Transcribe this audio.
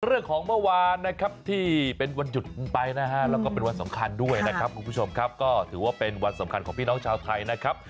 เมื่อวานนะครับที่เป็นวันหยุดไปนะฮะแล้วก็เป็นวันสำคัญด้วยนะครับคุณผู้ชมครับก็ถือว่าเป็นวันสำคัญของพี่น้องชาวไทยนะครับ